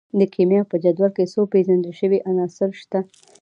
د کیمیا په جدول کې څو پیژندل شوي عناصر شته.